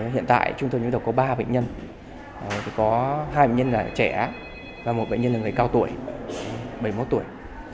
hiện tại chúng tôi có ba bệnh nhân có hai bệnh nhân là trẻ và một bệnh nhân là người cao tuổi bảy mươi một tuổi